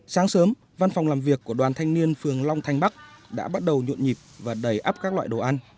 sáng sớm văn phòng làm việc của đoàn thanh niên phường long thanh bắc đã bắt đầu nhuộn nhịp và đầy áp các loại đồ ăn